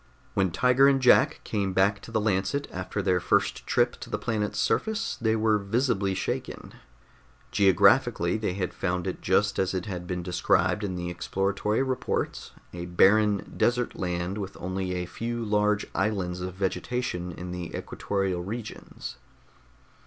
When Tiger and Jack came back to the Lancet after their first trip to the planet's surface, they were visibly shaken. Geographically, they had found it just as it had been described in the exploratory reports a barren, desert land with only a few large islands of vegetation in the equatorial regions.